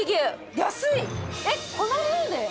えっこの量で？